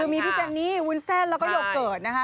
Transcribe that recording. คือมีพี่แจนี่วุ้นแซ่นแล้วก็หยกเกิดนะคะ